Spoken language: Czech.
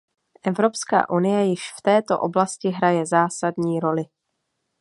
Evropská unie již v této oblasti hraje zásadní roli.